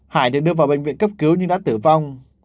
hải được đưa vào bệnh viện cấp cứu nhưng đã tử vong